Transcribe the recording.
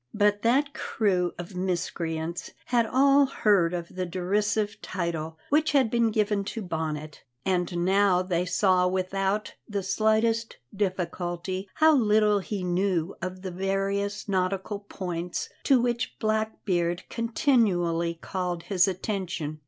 But that crew of miscreants had all heard of the derisive title which had been given to Bonnet, and now they saw without the slightest difficulty how little he knew of the various nautical points to which Blackbeard continually called his attention.